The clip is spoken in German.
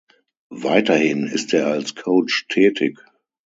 Weiterhin ist er als Coach tätig.